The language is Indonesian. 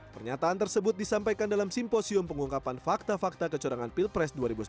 pernyataan tersebut disampaikan dalam simposium pengungkapan fakta fakta kecurangan pilpres dua ribu sembilan belas